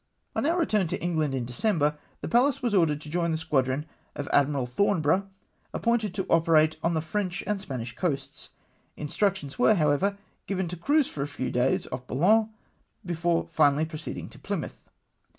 On our retmii to England in December, the Pallas was ordered to join the squadron of Admiral Thorn borough, appointed to operate on the French and Spanish coasts. Instructions w^ere, however, given to cruise for a few days off Boulogne before finally pro ceeding to Plymouth.